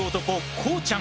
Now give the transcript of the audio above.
こうちゃん。